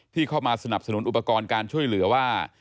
เข้ามาสนับสนุนอุปกรณ์การช่วยเหลือว่า